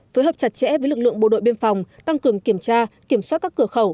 phối hợp chặt chẽ với lực lượng bộ đội biên phòng tăng cường kiểm tra kiểm soát các cửa khẩu